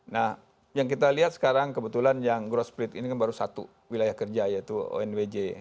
nah yang kita lihat sekarang kebetulan yang growth split ini kan baru satu wilayah kerja yaitu onwj